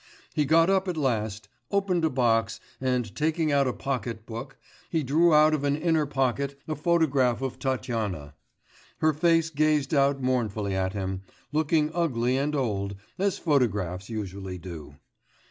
He got up at last, opened a box, and taking out a pocket book, he drew out of an inner pocket a photograph of Tatyana. Her face gazed out mournfully at him, looking ugly and old, as photographs usually do.